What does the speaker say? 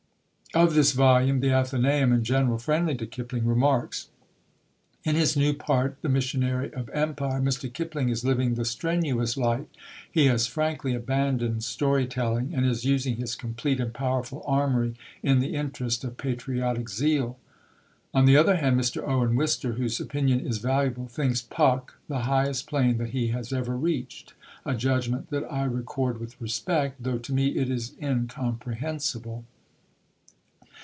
Of this volume, The Athenæum, in general friendly to Kipling, remarks: "In his new part the missionary of empire Mr. Kipling is living the strenuous life. He has frankly abandoned story telling, and is using his complete and powerful armory in the interest of patriotic zeal." On the other hand, Mr. Owen Wister, whose opinion is valuable, thinks Puck "the highest plane that he has ever reached" a judgement that I record with respect, though to me it is incomprehensible.